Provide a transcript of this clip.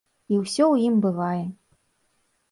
І ўсё ў ім бывае.